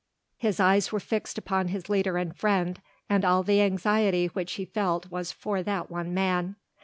His eyes were fixed upon his leader and friend, and all the anxiety which he felt was for that one man.